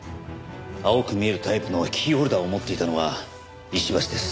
青く見えるタイプのキーホルダーを持っていたのは石橋です。